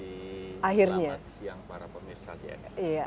selamat siang para pemirsa